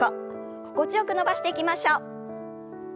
心地よく伸ばしていきましょう。